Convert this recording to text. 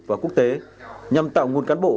và quốc tế nhằm tạo nguồn cán bộ